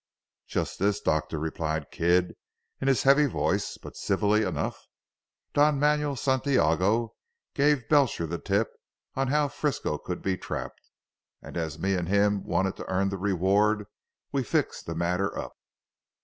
"Just this doctor," replied Kidd in his heavy voice but civilly enough "Don Manuel Santiago gave Belcher the tip how Frisco could be trapped, and as me and him wanted to earn the reward, we fixed the matter up."